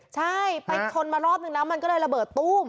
ใช่ไปชนมารอบนึงแล้วมันก็เลยระเบิดตู้ม